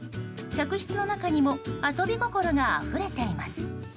客室の中にも遊び心があふれています。